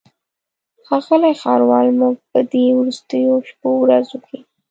ښاغلی ښاروال موږ په دې وروستیو شپو ورځو کې.